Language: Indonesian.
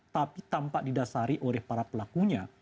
tapi tampak didasari oleh para pelakunya